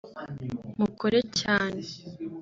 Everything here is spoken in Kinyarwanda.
mukore cyane